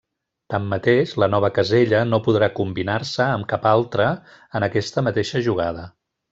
Tanmateix la nova casella no podrà combinar-se amb cap altre en aquesta mateixa jugada.